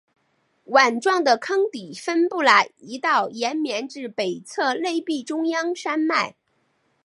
碗状的坑底分布了一道延伸至北侧内壁中央山脉。